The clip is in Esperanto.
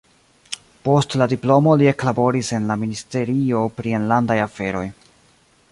Post la diplomo li eklaboris en la ministerio pri enlandaj aferoj.